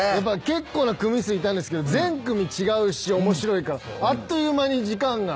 結構な組数いたんですけど全組違うし面白いからあっという間に時間が過ぎました。